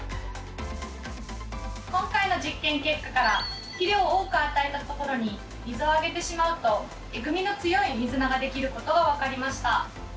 今回の実験結果から肥料を多く与えたところに水をあげてしまうとえぐみの強いミズナができることが分かりました。